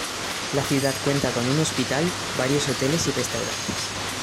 La ciudad cuenta con un hospital, varios hoteles y restaurantes.